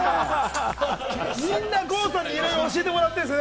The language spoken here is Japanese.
みんな、郷さんにいろいろ教えてもらってます。